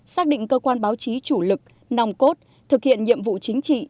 xác định cơ quan báo chí chủ lực nòng cốt thực hiện nhiệm vụ chính trị